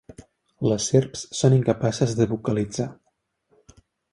Les serps són incapaces de vocalitzar.